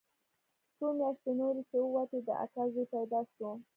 څو مياشتې نورې چې ووتې د اکا زوى پيدا سو.